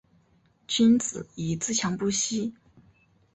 君子以自强不息